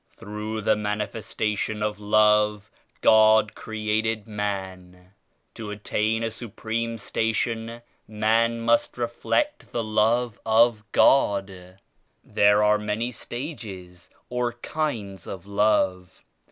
Through the manifestation of Love God created Man. To attain a supreme station man must reflect the Love of God." "There are many stages or kinds of Love.